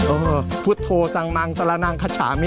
โอ้โฮพุทธโทสังมังสรนังขชามิ